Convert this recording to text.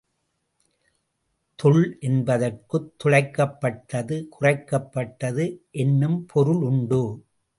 தொள் என்பதற்குத் துளைக்கப் பட்டது குறைக்கப் பட்டது என்னும் பொருள் உண்டு.